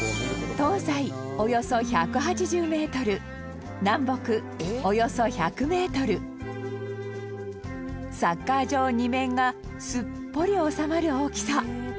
東西、およそ１８０ｍ南北、およそ１００ｍサッカー場２面がすっぽり収まる大きさ